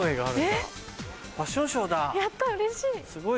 やったうれしい！